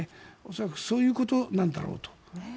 恐らくそういうことなんだろうと。